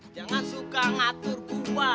jangan suka ngatur gua